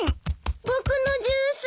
僕のジュース。